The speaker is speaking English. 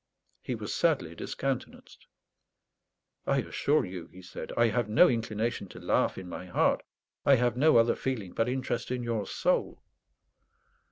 He was sadly discountenanced. "I assure you," he said, "I have no inclination to laugh in my heart. I have no other feeling but interest in your soul."